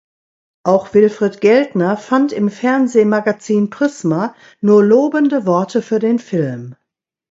Auch Wilfried Geldner fand im Fernsehmagazin "Prisma" nur lobende Worte für den Film.